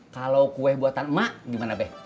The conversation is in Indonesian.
kalau kue buatan emak gimana be